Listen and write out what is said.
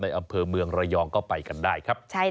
อำเภอเมืองระยองก็ไปกันได้ครับ